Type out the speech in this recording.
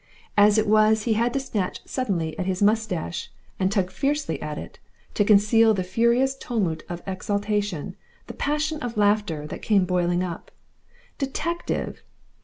As it was, he had to snatch suddenly at his moustache and tug fiercely at it, to conceal the furious tumult of exultation, the passion of laughter, that came boiling up. Detective!